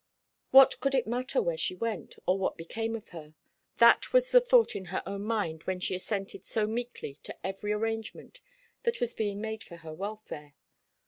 What could it matter where she went, or what became of her? That was the thought in her own mind when she assented so meekly to every arrangement that was being made for her welfare.